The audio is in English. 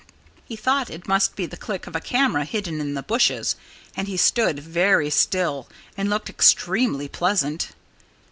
He thought it must be the click of a camera hidden in the bushes. And he stood very still and looked extremely pleasant.